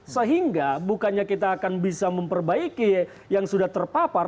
sehingga bukannya kita akan bisa memperbaiki yang sudah terpapar